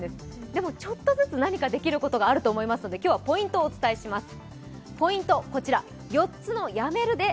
でも、ちょっとずつ何かできることがあると思いますので今日はポイントをお伝えします。